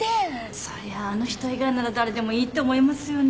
そりゃあの人以外なら誰でもいいって思いますよね。